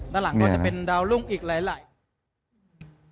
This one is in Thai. ด้านหลังก็จะเป็นดาวรุ่งอีกหลาย